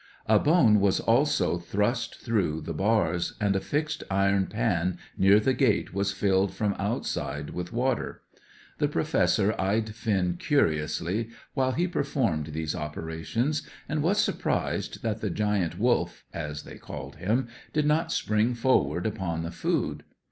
A bone was also thrust through the bars, and a fixed iron pan near the gate was filled from outside with water. The Professor eyed Finn curiously while he performed these operations, and was surprised that the Giant Wolf, as they called him, did not spring forward upon the food.